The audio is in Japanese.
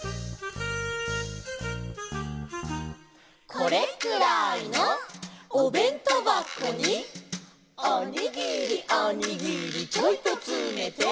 「これくらいのおべんとばこに」「おにぎりおにぎりちょいとつめて」